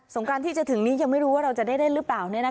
สงกรานที่จะถึงนี้ยังไม่รู้ว่าเราจะได้หรือเปล่าเนี่ยนะคะ